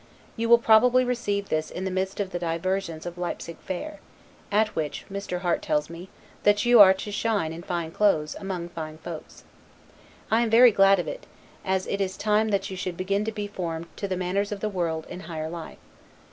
You will probably receive this in the midst of the diversions of Leipsig fair; at which, Mr. Harte tells me, that you are to shine in fine clothes, among fine folks. I am very glad of it, as it is time that you should begin to be formed to the manners of the world in higher life.